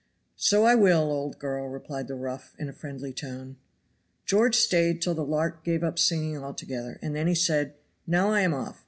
"So I will, old girl," replied the rough, in a friendly tone. George stayed till the lark gave up singing altogether, and then he said: "Now I am off.